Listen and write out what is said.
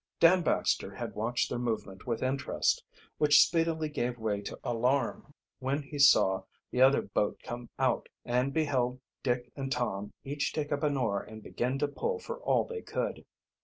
Dan Baxter had watched their movement with interest, which speedily gave way to arm when he saw the other boat come out, and beheld Dick and Tom each take up an oar and begin to pull for all they could.